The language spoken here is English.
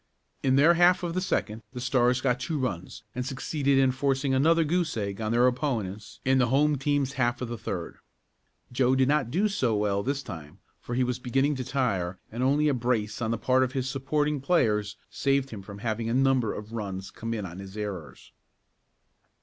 In their half of the second the Stars got two runs, and succeeded in forcing another goose egg on their opponents in the home team's half of the third. Joe did not do so well this time, for he was beginning to tire and only a brace on the part of his supporting players saved him from having a number of runs come in on his errors.